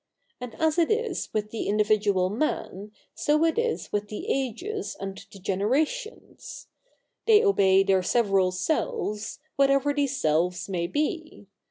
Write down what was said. And as it is with the individual man, so it is with the ages and the generations. They obey their several Selves, whatever these Selves may be.